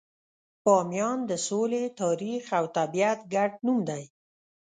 بامیان د سولې، تاریخ، او طبیعت ګډ نوم دی.